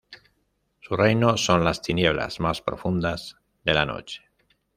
Su reino son las tinieblas más profundas de la noche.